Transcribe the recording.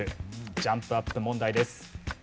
ジャンプアップ問題です。